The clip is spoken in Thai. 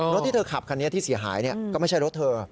รถที่เธอขับคันนี้ที่เสียหายก็ไม่ใช่รถเธอ